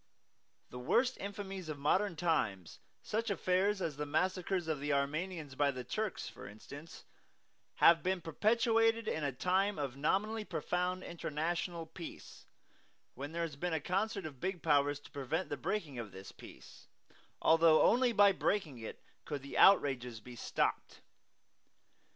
The worst infamies of modern times such affairs as the massacres of the Armenians by the Turks, for instance have been perpetrated in a time of nominally profound international peace, when there has been a concert of big Powers to prevent the breaking of this peace, although only by breaking it could the outrages be stopped.